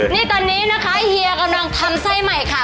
นี่ตอนนี้นะคะเฮียกำลังทำไส้ใหม่ค่ะ